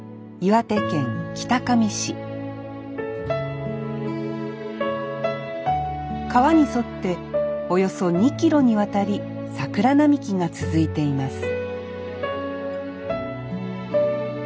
市川に沿っておよそ２ｋｍにわたり桜並木が続いています